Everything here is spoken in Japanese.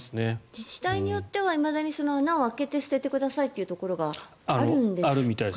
自治体によってはいまだに穴を開けて捨ててくださいというところがあるみたいです。